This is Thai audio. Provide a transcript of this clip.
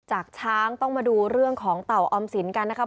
จากช้างต้องมาดูเรื่องของเต่าออมสินกันนะครับ